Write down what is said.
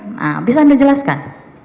nah bisa anda jelaskan